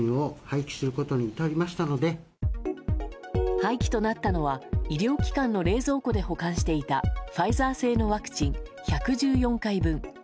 廃棄となったのは医療機関の冷蔵庫で保管していたファイターズ製のワクチン１１４回分。